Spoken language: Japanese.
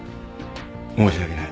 申し訳ない。